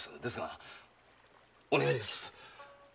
ですがお願いです。